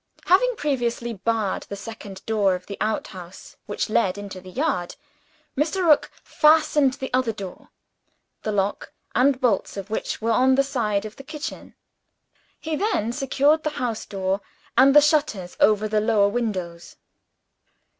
Having previously barred the second door of the outhouse, which led into the yard, Mr. Rook fastened the other door, the lock and bolts of which were on the side of the kitchen. He then secured the house door, and the shutters over the lower windows.